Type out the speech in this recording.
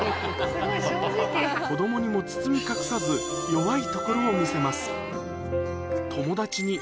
子どもにも包み隠さず、弱いところを見せます。